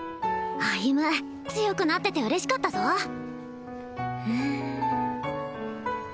歩強くなってて嬉しかったぞふん